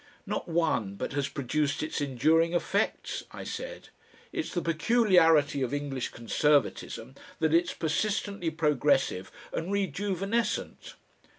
"Not one but has produced its enduring effects," I said. "It's the peculiarity of English conservatism that it's persistently progressive and rejuvenescent."